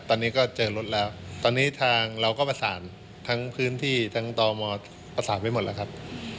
ตอนนี้ก็เจอรถแล้วตอนนี้ทางเราก็ประสานทั้งพื้นที่ทั้งตมประสานไปหมดแล้วครับ